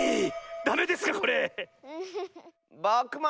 ダメですかこれ⁉ぼくも！